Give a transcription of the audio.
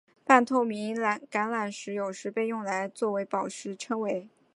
半透明橄榄石有时被用来作为宝石称为。